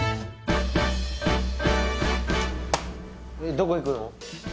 どこ行くの？